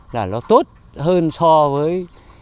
là nó tốt hơn so với